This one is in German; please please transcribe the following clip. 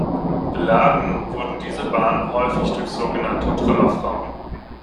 Beladen wurden diese Bahnen häufig durch sogenannte Trümmerfrauen.